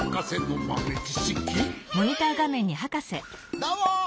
どうも！